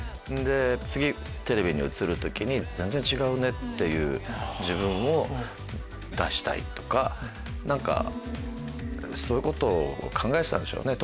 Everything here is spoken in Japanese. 次テレビに映る時に全然違うね！っていう自分を出したいとか何かそういうことを考えてたんでしょうね